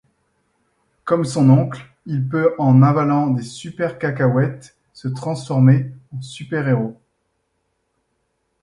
Comme son oncle il peut en avalant des super cacahouètes se transformer en super-héros.